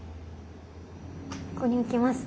ここに置きます。